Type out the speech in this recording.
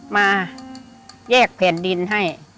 มาแยกแผ่นดินให้